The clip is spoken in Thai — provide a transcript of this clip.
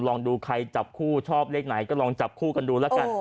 ลองดูใครจับคู่ชอบเลขไหนก็ลองจับคู่กันดูแล้วกัน